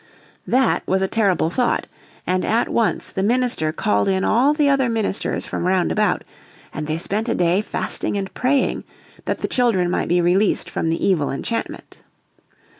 That was a terrible thought, and at once the minister called in all the other ministers from round about and they spent a day fasting and praying that the children might be released from the evil enchantment.